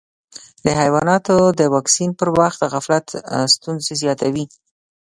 د حیواناتو د واکسین پر وخت غفلت ستونزې زیاتوي.